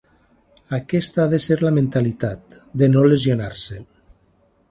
Aquesta ha de ser la mentalitat, de no lesionar-se.